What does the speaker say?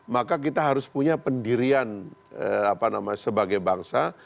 maka kita harus punya pendirian apa namanya sebagai bangsa